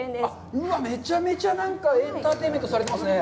うわっ、めちゃめちゃなんか、エンターテインメントされてますね。